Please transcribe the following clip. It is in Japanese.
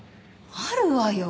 あるわよ。